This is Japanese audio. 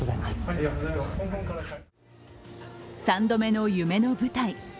３度目の夢の舞台。